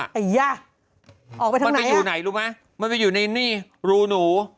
ไอ้ย่าออกไปทางไหนอ่ะมันไปอยู่ไหนรู้ไหมมันไปอยู่ในนี่รูหนู